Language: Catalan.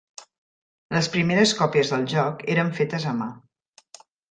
Les primeres còpies del joc eren fetes a mà.